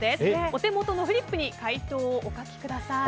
お手元のフリップに回答をお書きください。